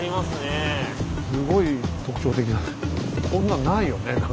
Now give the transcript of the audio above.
すごい特徴的だね。